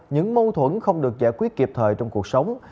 những mâu thuẫn không được giải quyết kịp thời trong cuộc sống